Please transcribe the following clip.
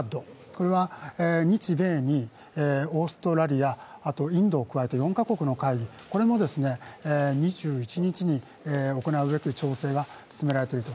これは日米にオーストラリア、あとインドを加えた４か国の会議、これを２１日に行うべく調整が進められていると。